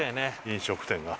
飲食店が。